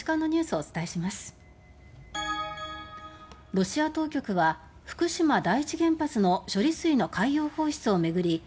ロシア当局は福島第一原発の処理水の海洋放出を巡り